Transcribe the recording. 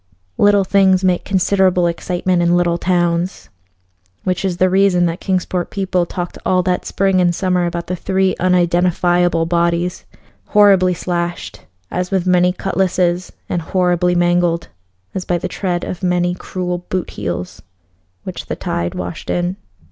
Little things make considerable excitement in little towns, which is the reason that Kingsport people talked all that spring and summer about the three unidentifiable bodies, horribly slashed as with many cutlasses, and horribly mangled as by the tread of many cruel boot heels, which the tide washed in.